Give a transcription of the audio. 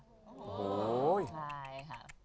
ใช่ค่ะ